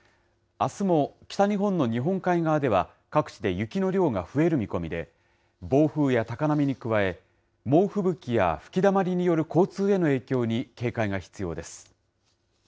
あすも北日本の日本海側では、各地で雪の量が増える見込みで、暴風や高波に加え、猛吹雪や吹きだまりによる交通への影響に警戒が必要です。